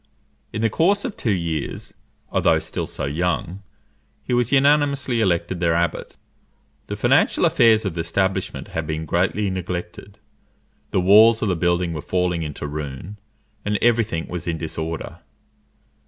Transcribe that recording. In the course of two years, although still so young, he was unanimously elected their abbot. The financial affairs of the establishment had been greatly neglected, the walls of the building were falling into ruin, and every thing was in disorder.